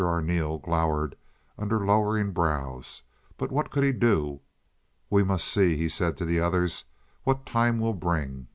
Arneel glowered under lowering brows, but what could he do? "We must see," he said to the others, "what time will bring.